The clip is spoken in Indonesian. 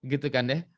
gitu kan ya